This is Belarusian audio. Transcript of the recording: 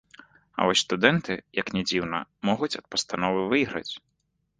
А вось студэнты, як ні дзіўна, могуць ад пастановы выйграць!